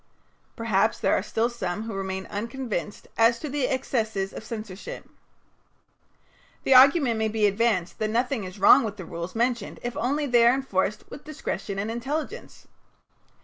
Perhaps there are still some who remain unconvinced as to the excesses of censorship. The argument may be advanced that nothing is wrong with the rules mentioned if only they are enforced with discretion and intelligence.